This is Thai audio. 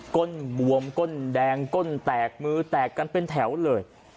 ้นบวมก้นแดงก้นแตกมือแตกกันเป็นแถวเลย